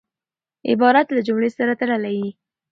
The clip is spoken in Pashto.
عبارت له جملې سره تړلی يي.